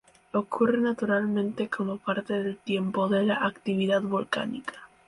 Ocurre naturalmente como parte del tiempo o de la actividad volcánica.